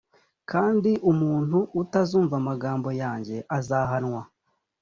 kandi umuntu utazumva amagambo yanjye azahanwa,